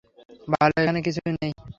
ভালো, এখানে কিছুই নেই।